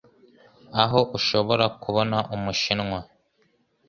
aho ushobora kubona umushinwa